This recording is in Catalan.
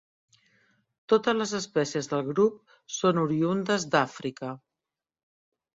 Totes les espècies del grup són oriündes d'Àfrica.